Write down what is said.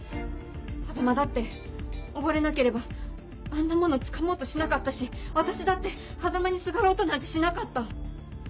波佐間だって溺れなければあんなものつかもうとしなかったし私だって波佐間にすがろうとなんてしなかった。